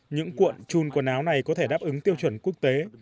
những cuộn chun quần áo này có thể đáp ứng tiêu chuẩn quốc tế